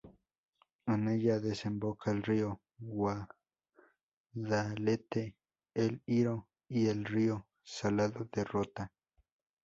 En ella desemboca el río Guadalete, el Iro y el río Salado de Rota.